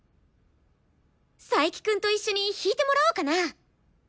佐伯くんと一緒に弾いてもらおうかな！